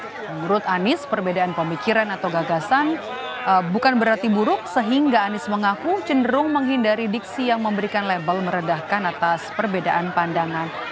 menurut anies perbedaan pemikiran atau gagasan bukan berarti buruk sehingga anies mengaku cenderung menghindari diksi yang memberikan label meredahkan atas perbedaan pandangan